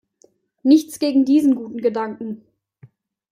Nichts gegen diesen guten Gedanken.